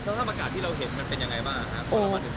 สถานทางอากาศที่เราเห็นมันเป็นอย่างไรบ้างครับ